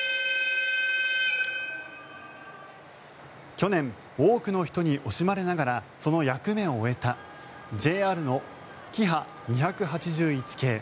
去年、多くの人に惜しまれながらその役目を終えたＪＲのキハ２８１系。